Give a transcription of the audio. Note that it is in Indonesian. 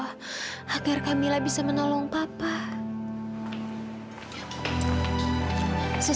your highness kami pelosong untuk rahasiakan alhamdulillah dari semua bakwat become bruneia